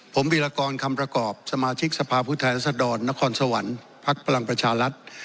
ผมวิรากรคำประกอบสมาชิกสภาพผู้แทนรัศดรนครสวรรค์ภักดิ์พลังประชารัฐ